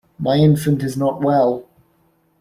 My infant is not well.